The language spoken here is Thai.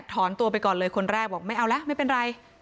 ถอนตัวไปก่อนเลยคนแรกบอกไม่เอาแล้วไม่เป็นไร